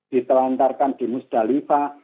ditelantarkan di mumzdalivah